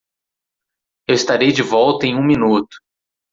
Eu estarei de volta em um minuto.